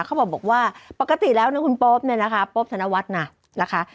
เขาบอกว่าปกติแล้วนะคุณโป๊ปเนี่ยนะคะโป๊บธนวัฒน์นะนะคะ